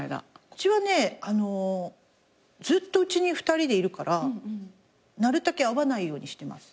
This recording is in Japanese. うちはねずっとうちに２人でいるからなるたけ会わないようにしてます。